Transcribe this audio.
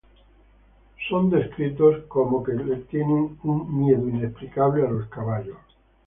Ellos son descritos como siendo inexplicablemente miedo a los caballos.